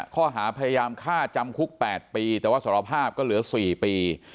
ข้อหาพยายามฆ่าจำคุก๘ปีแต่ว่าสารภาพก็เหลือ๔ปี